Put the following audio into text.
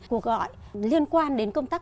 cuộc gọi liên quan đến công tác